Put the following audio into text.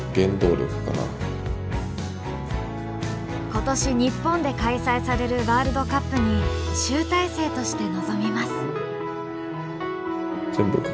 今年日本で開催されるワールドカップに集大成として臨みます。